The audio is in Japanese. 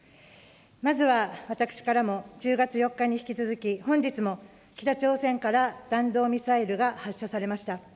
まずは私からも１０月４日に引き続き、本日も北朝鮮から弾道ミサイルが発射されました。